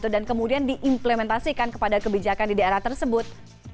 dan kemudian diimplementasikan kepada kebijakan di daerah tersebut